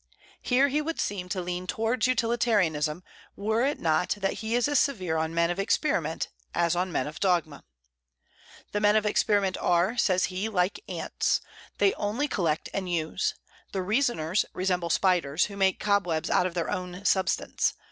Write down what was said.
Here he would seem to lean towards utilitarianism, were it not that he is as severe on men of experiment as on men of dogma. "The men of experiment are," says he, "like ants, they only collect and use; the reasoners resemble spiders, who make cobwebs out of their own substance.